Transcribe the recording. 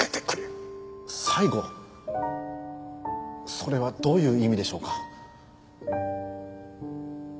それはどういう意味でしょうか？